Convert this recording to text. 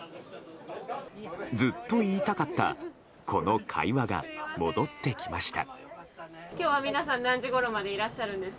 ずっと言いたかったこの会話が戻ってきました。